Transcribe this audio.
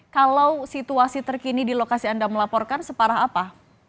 kalau situasi terkini di lokasi anda melaporkan separah apa